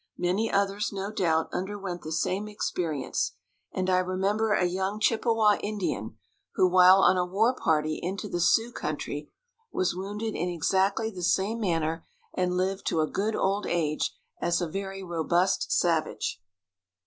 Many others, no doubt, underwent the same experience, and I remember a young Chippewa Indian who, while on a war party into the Sioux country, was wounded in exactly the same manner, and lived to a good old age as a very robust savage.